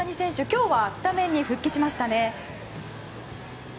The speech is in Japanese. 今日はスタメンに復帰しましたね。